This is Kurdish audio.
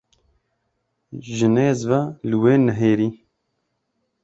Ji nêz ve li wê nihêrî.